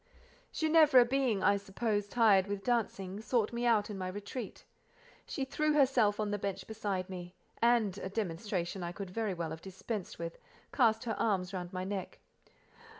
Ginevra being, I suppose, tired with dancing, sought me out in my retreat. She threw herself on the bench beside me, and (a demonstration I could very well have dispensed with) cast her arms round my neck.